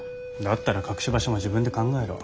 だったら隠し場所も自分で考えろ。